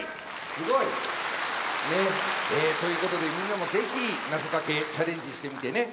すごい！ということでみんなも是非なぞかけチャレンジしてみてね。